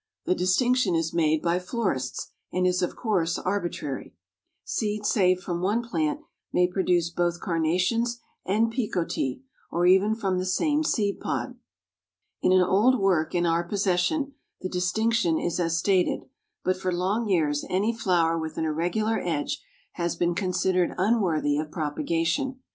The distinction is made by florists, and is of course arbitrary. Seeds saved from one plant, may produce both Carnations and Picotee, or even from the same seed pod. In an old work in our possession, the distinction is as stated, but for long years any flower with an irregular edge has been considered unworthy of propagation.